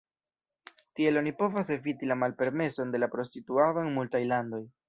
Tiel oni povas eviti la malpermeson de la prostituado en multaj landoj.